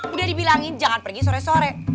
udah dibilangin jangan pergi sore sore